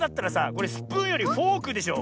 これスプーンよりフォークでしょ。